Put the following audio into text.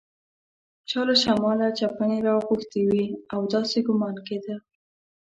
چا له شماله چپنې راغوښتي وې او داسې ګومان کېده.